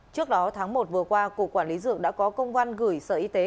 trước đó tháng một vừa qua cục quản lý dược đã có công văn gửi sở y tế